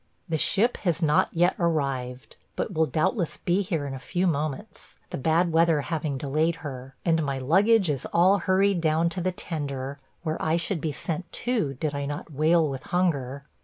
The ship has not yet arrived, but will doubtless be here in a few moments, the bad weather having delayed her; and my luggage is all hurried down to the tender, where I should be sent, too, did I not wail with hunger.